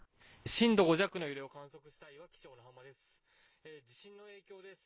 震度５弱の揺れを観測したいわき市小名浜です。